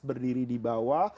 berdiri di bawah